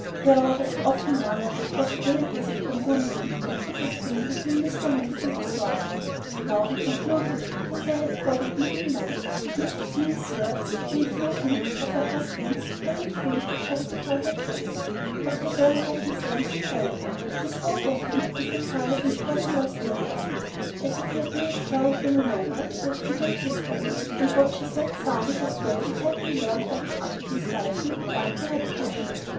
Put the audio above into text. Darrow had often wondered what possibilities of communion there could have been between Mr. Leath and his wife. Now he concluded that there had probably been none. Mrs. Leath's words gave no hint of her husband's having failed to justify her choice; but her very reticence betrayed her. She spoke of him with a kind of impersonal seriousness, as if he had been a character in a novel or a figure in history; and what she said sounded as though it had been learned by heart and slightly dulled by repetition.